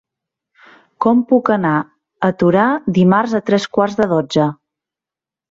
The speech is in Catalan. Com puc anar a Torà dimarts a tres quarts de dotze?